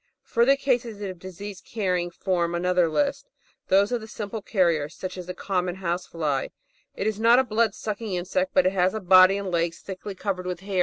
Fiirther cases of disease carrying form another list — those of the simple carriers, such as the common House Fly : it is not a blood sucking insect, but it has a body and legs thickly covered with hairs VOL.